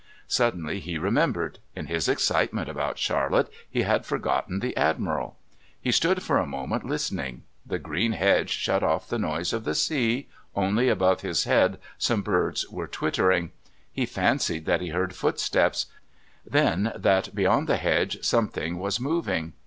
Suddenly he remembered in his excitement about Charlotte he had forgotten the Admiral. He stood for a moment, listening. The green hedge shut off the noise of the sea only above his head some birds were twittering. He fancied that he heard footsteps, then that beyond the hedge something was moving.